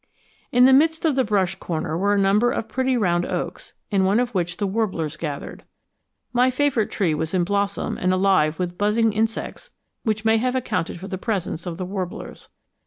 In the midst of the brush corner were a number of pretty round oaks, in one of which the warblers gathered. My favorite tree was in blossom and alive with buzzing insects, which may have accounted for the presence of the warblers.